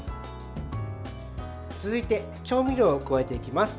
続いて、調味料を加えていきます。